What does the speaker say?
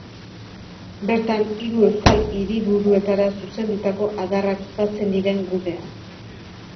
Bertan hiru euskal hiriburuetara zuzendutako adarrak batzen diren gunea.